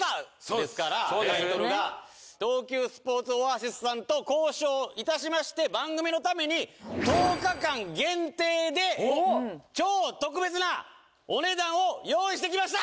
ですからタイトルが東急スポーツオアシスさんと交渉いたしまして番組のために１０日間限定で超特別なお値段を用意してきました